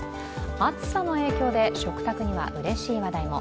暑さの影響で食卓にはうれしい話題も。